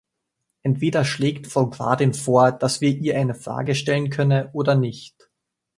Entweder schlägt Frau Gradin vor, dass wir ihr eine Frage stellen könne, oder nicht.